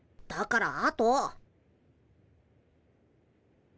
だからあと。